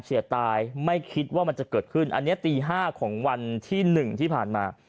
ตายไม่คิดว่ามันจะเกิดขึ้นอันนี้ตี๕ของวันที่๑ที่ผ่านมา